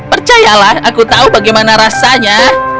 percayalah aku tahu bagaimana rasanya